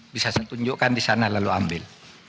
bisa saya tunjukkan di sana lalu ambil